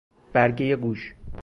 برگه گوش